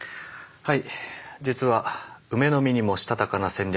はい。